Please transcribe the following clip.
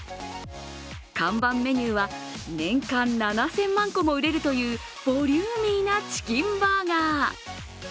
看板メニューは年間７０００万個も売れるというボリューミーなチキンバーガー。